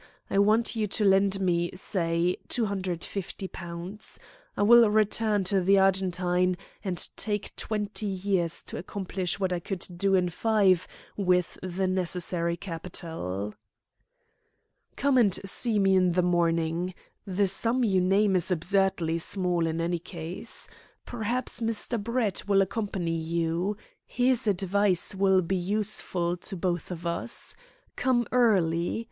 I want you to lend me, say, £250. I will return to the Argentine, and take twenty years to accomplish what I could do in five with the necessary capital." "Come and see me in the morning. The sum you name is absurdly small, in any case. Perhaps Mr. Brett will accompany you. His advice will be useful to both of us. Come early.